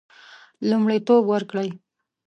لومړیتوب ورکړي.